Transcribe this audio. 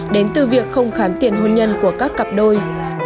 đến từ việc không khám tiền hôn nhân của các cặp đôi